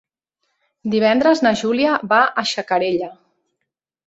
Divendres na Júlia va a Xacarella.